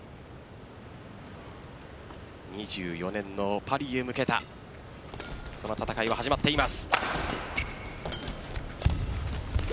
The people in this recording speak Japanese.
２４年のパリへ向けたその戦いは始まっています。